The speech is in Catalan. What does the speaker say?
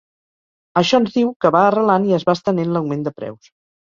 Això ens diu que va arrelant i es va estenent l’augment de preus.